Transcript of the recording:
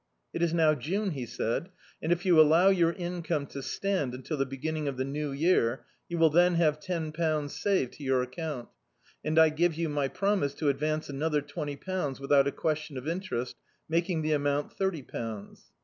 "It is now June," he said, "and if you allow your income to stand until the be^nning of the New Year, you will then have ten pounds saved to your account, and I give you my promise to advance another twenty pounds without a question of in terest, making the amount thirty pounds!"